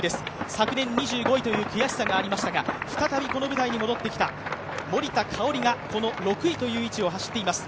昨年２５位という悔しさがありましたがこの舞台に戻ってきた森田香織が６位という位置を走っています。